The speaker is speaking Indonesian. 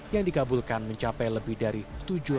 yang dikabulkan mencapai lebih dari tujuh ratus perkawinan anak